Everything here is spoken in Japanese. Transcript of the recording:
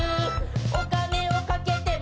「お金をかけても」